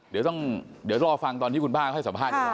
เดี๋ยวต้องรอฟังตอนที่คุณป้าให้สัมภาษณ์